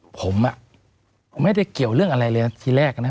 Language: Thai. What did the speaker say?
ผมไม่ได้เกี่ยวเรื่องอะไรเลยทีแรกนะ